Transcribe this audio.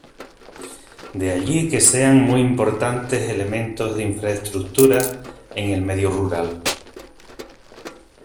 De allí que sean muy importantes elementos de infraestructura en el medio rural.